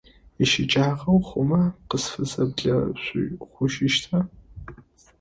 Ищыкӏагъэу хъумэ, къысфызэблэшъухъужьыщта?